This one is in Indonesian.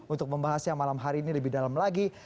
untuk membahasnya malam hari ini lebih dalam lagi